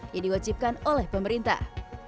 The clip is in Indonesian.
yang diwajibkan oleh pemerintah